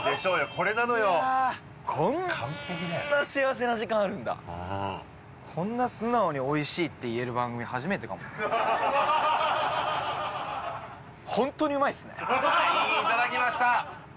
これなのよこんな幸せな時間あるんだこんな素直においしいって言える番組初めてかもああいいいただきました！